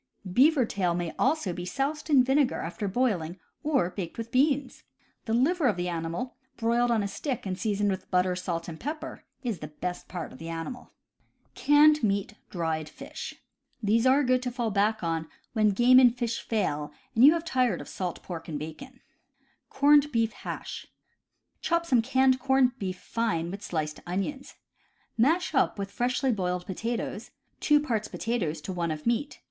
Beaver tail may also be soused in vinegar, after boil ing, or baked with beans. The liver of the animal, broiled on a stick and seasoned with butter, salt, and pepper, is the best part of the animal. ^ J n/r X These are good to fall back on when Canned Meat. j£ui? i j i, + j game and hsh tail, and you have tired UTlQCi £ ISn. r> 1 ■ 1 11 ot salt pork and bacon. Corned Beef Hash. — Chop some canned corned beef fine with sliced onions. Mash up with freshly boiled potatoes, two parts potatoes to one of meat.